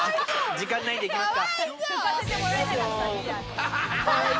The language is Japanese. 時間ないんでいきますか。